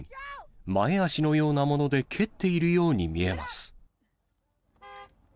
前足のようなもので蹴っているように見えます。